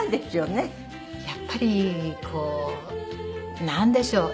やっぱりこうなんでしょう？